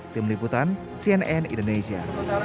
tim liputan cnn indonesia